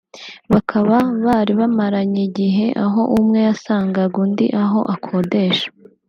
Bakaba bari bamaranye igihe aho umwe yasangaga undi aho akodesha